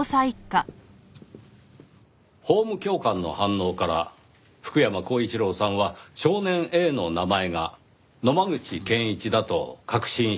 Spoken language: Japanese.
法務教官の反応から福山光一郎さんは少年Ａの名前が野間口健一だと確信したと考えられます。